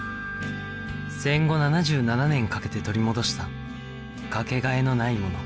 戦後７７年かけて取り戻した掛け替えのないもの